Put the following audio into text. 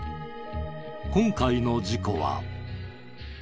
今回の事故は。